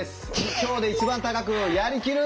今日で一番高くやりきる！